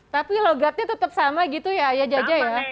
tapi logatnya tetap sama gitu ya ayah jaja ya